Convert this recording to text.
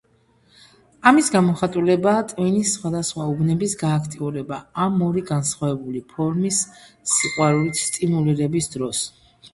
ამის გამოხატულებაა ტვინის სხვადასხვა უბნების გააქტიურება ამ ორი გასხვავებული ფორმის სიყვარულით სტიმულირების დროს.